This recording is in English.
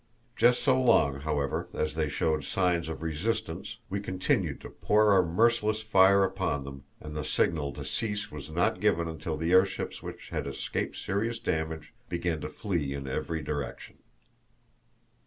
Just so long, however, as they showed signs of resistance we continued to pour our merciless fire upon them, and the signal to cease was not given until the airships which had escaped serious damage began to flee in every direction.